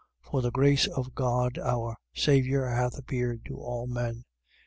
2:11. For the grace of God our Saviour hath appeared to all men: 2:12.